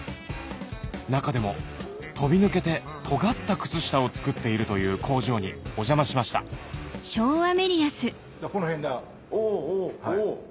中でも飛び抜けてトガった靴下を作っているという工場にお邪魔しましたおぉおぉ。